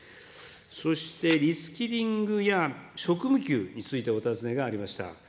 そして、リスキリングや職務給についてお尋ねがありました。